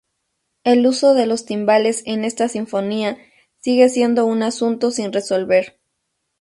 El uso de los timbales en esta sinfonía sigue siendo un asunto sin resolver.